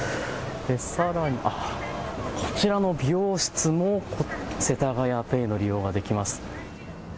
さらにこちらの美容室もせたがやＰａｙの利用ができます。